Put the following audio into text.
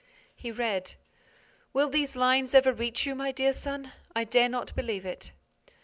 He read: Will these lines ever reach you, my dear son? I dare not believe it.